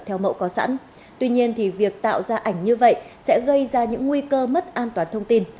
theo mẫu có sẵn tuy nhiên thì việc tạo ra ảnh như vậy sẽ gây ra những nguy cơ mất an toàn thông tin